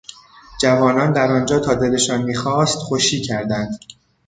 جوانان در آنجا تا دلشان میخواست خوشی کردند.